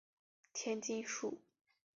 千筋树